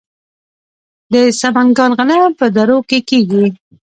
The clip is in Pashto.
د سمنګان غنم په درو کې کیږي.